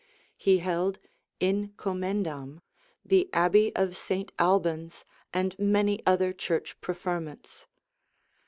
He held "in commendam" the abbey of St. Albans, and many other church preferments.